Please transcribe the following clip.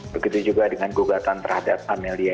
begitu juga dengan gugatan terhadap amelia